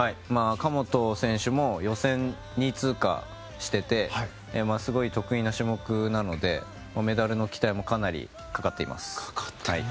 神本選手も予選２位通過していてすごい得意な種目なのでメダルの期待もかなりかかっています。